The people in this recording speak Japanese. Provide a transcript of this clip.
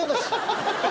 ハハハハ。